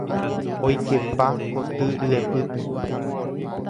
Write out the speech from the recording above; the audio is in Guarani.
Oikepa koty rypepýpe.